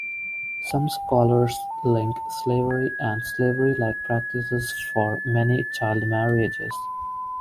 Some scholars link slavery and slavery-like practices for many child marriages.